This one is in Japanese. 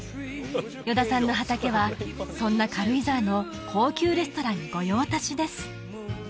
依田さんの畑はそんな軽井沢の高級レストラン御用達です